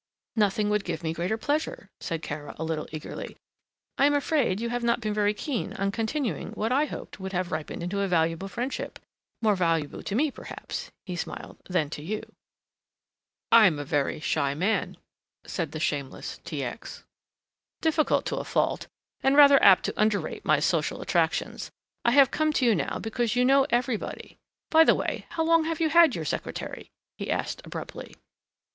"Nothing would give me greater pleasure," said Kara, a little eagerly. "I am afraid you have not been very keen on continuing what I hoped would have ripened into a valuable friendship, more valuable to me perhaps," he smiled, "than to you." "I am a very shy man," said the shameless T. X., "difficult to a fault, and rather apt to underrate my social attractions. I have come to you now because you know everybody by the way, how long have you had your secretary!" he asked abruptly.